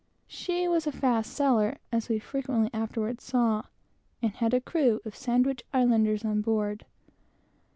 She was a fast sailer, as we frequently afterwards perceived, and had a crew of Sandwich Islanders on board.